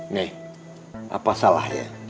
nih apa salahnya